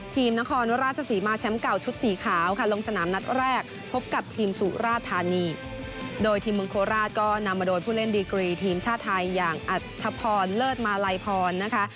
นครราชศรีมาแชมป์เก่าชุดสีขาวค่ะลงสนามนัดแรกพบกับทีมสุราธานีโดยทีมเมืองโคราชก็นำมาโดยผู้เล่นดีกรีทีมชาติไทยอย่างอัธพรเลิศมาลัยพรนะคะ